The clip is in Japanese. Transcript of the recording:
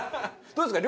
どうですか？